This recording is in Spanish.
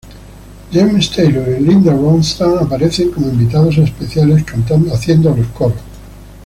James Taylor y Linda Ronstadt aparecen como invitados especiales cantando los coros.